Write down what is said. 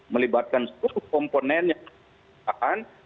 melibatkan setelah komponen yang ditahan